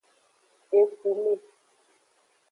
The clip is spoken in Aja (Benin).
Efume.